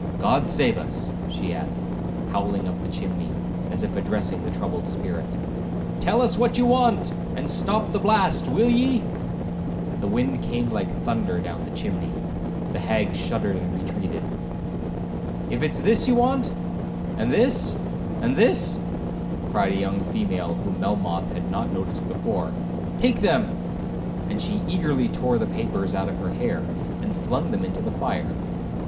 —G d save us!' she added, howling up the chimney, as if addressing the troubled spirit; 'tell us what you want, and stop the blast, will ye?'—The wind came like thunder down the chimney; the hag shuddered and retreated. 'If it's this you want—and this—and this,' cried a young female whom Melmoth had not noticed before, 'take them;' and she eagerly tore the papers out of her hair, and flung them into the fire.